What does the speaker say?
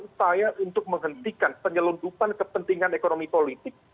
upaya untuk menghentikan penyelundupan kepentingan ekonomi politik